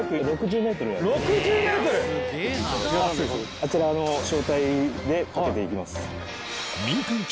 あちらの小隊で架けて行きます。